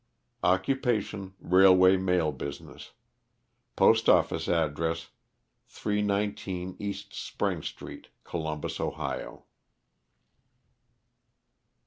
Occupation, railway mail business. Postoffice address 319 East Spring street, Columbus, Ohio.